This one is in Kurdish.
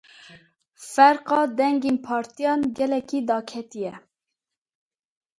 Ferqa dengên partiyan gelekî daketiye.